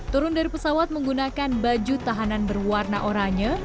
turun dari pesawat menggunakan baju tahanan berwarna oranye